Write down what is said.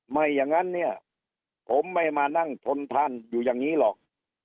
ไม่อย่างนั้นเนี่ยผมไม่มานั่งทนทานอยู่อย่างนี้หรอก